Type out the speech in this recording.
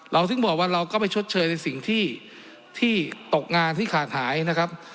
ถึงบอกว่าเราก็ไปชดเชยในสิ่งที่ตกงานที่ขาดหายนะครับ